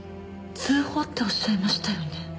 通報っておっしゃいましたよね？